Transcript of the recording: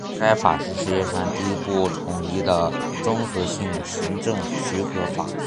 该法是世界上第一部统一的综合性行政许可法。